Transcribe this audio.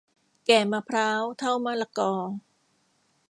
แก่มะพร้าว เฒ่ามะละกอ